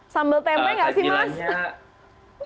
sambal tempe gak sih mas